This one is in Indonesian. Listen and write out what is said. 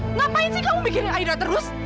ngapain sih kamu bikinnya aida terus